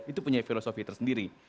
itu punya filosofi tersendiri